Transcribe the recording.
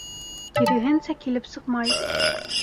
Киреһенсә килеп сыҡмай.